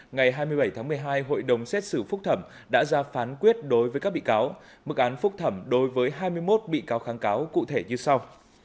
ngày hai mươi bảy tháng một mươi hai hội đồng xét xử phúc thẩm đã ra phán quyết đối với các bị cáo mức án phúc thẩm đối với hai mươi một bị cáo kháng cáo cụ thể như sau